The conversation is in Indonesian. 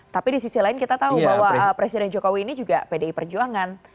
tapi di sisi lain kita tahu bahwa presiden jokowi ini juga pdi perjuangan